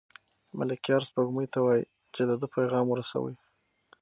ملکیار سپوږمۍ ته وايي چې د ده پیغام ورسوي.